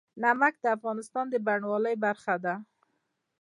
نمک د افغانستان د بڼوالۍ برخه ده.